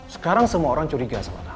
sekarang semua orang curiga sama kamu